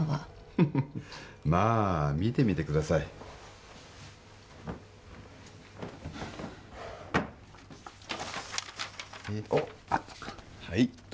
フフフまあ見てみてくださいおっあった